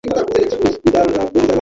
কালো স্কচটেপ দিয়ে এটি মোড়ানো ছিল।